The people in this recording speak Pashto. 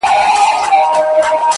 اوس مي تعويذ له ډېره خروښه چاودي ـ